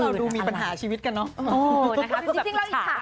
พวกเราดูมีปัญหาชีวิตกันเนอะ